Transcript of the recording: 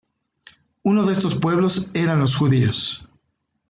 Uno de estos pueblos eran los judíos.